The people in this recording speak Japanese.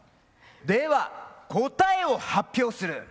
では答えを発表する。